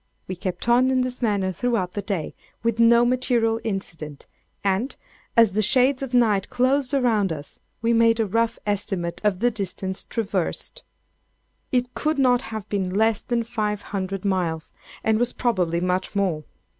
We kept on in this manner throughout the day, with no material incident, and, as the shades of night closed around us, we made a rough estimate of the distance traversed. It could not have been less than five hundred miles, and was probably much more.